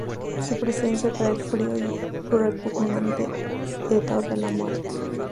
Su presencia trae el frío y repugnante hedor de la muerte.